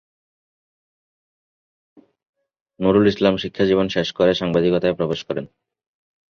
নূরুল ইসলাম শিক্ষাজীবন শেষ করে সাংবাদিকতায় প্রবেশ করেন।